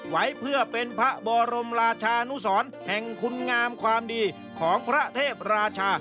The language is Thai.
ไว้เพื่อเป็นพระบรมราชานุสรแห่งคุณงามความดีของพระเทพราชา